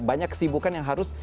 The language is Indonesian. banyak kesibukan yang harus